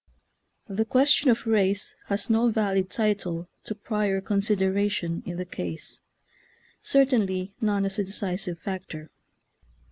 The question of race has no valid title to prior consideration in the case; certainly none as a decisive factor.